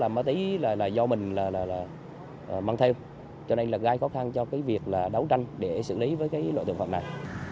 ma túy là do mình mang theo cho nên là gây khó khăn cho cái việc là đấu tranh để xử lý với cái loại tội phạm này